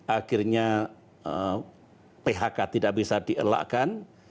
akhirnya phk tidak bisa dielakkan